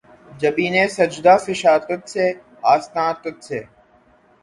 جبینِ سجدہ فشاں تجھ سے‘ آستاں تجھ سے